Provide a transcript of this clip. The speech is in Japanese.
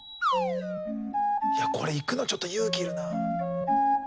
いやこれ行くのちょっと勇気いるなぁ。